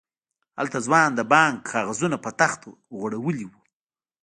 هلته ځوان د بانک کاغذونه په تخت غړولي وو.